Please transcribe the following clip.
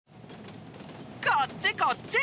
こっちこっち！